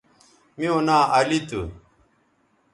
میوں ناں علی تھو